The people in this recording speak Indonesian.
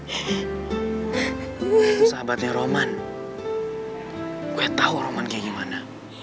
itu sahabatnya roman gue tau roman kayak gimana